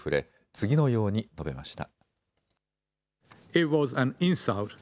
次のように述べました。